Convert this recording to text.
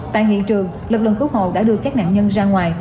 tại hiện trường lực lượng cứu hộ đã đưa các nạn nhân ra ngoài